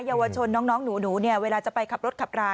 เยาวชนน้องหนูเนี่ยเวลาจะไปขับรถขับรา